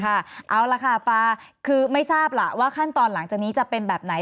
เอาล่ะค่ะปลาคือไม่ทราบล่ะว่าขั้นตอนหลังจากนี้จะเป็นแบบไหน